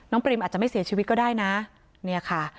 ปริมอาจจะไม่เสียชีวิตก็ได้นะเนี่ยค่ะ